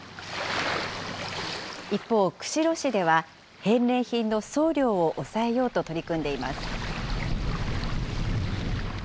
一方、釧路市では返礼品の送料を抑えようと取り組んでいます。